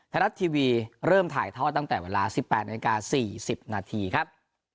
ไทยรัฐทีวีเริ่มถ่ายทอดตั้งแต่เวลา๑๘นาฬิกา๔๐นาทีครับ